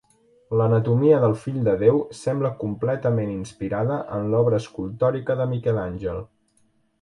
L'anatomia del Fill de Déu sembla completament inspirada en l'obra escultòrica de Miquel Àngel.